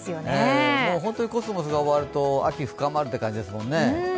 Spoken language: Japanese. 本当にコスモスが終わると秋、深まるという感じですもんね。